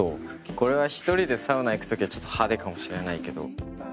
これは１人でサウナ行く時はちょっと派手かもしれないけど。